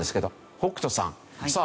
北斗さんさあ